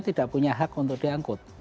tidak punya hak untuk diangkut